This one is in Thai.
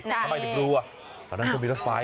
ใครตอนนั้นก็มีรถไฟ